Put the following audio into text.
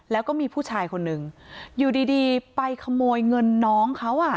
แล้วก็มีผู้ชายคนนึงอยู่ดีไปขโมยเงินน้องเขาอ่ะ